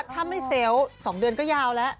ถ้าไม่เซลล์๒เดือนก็ยาวแล้ว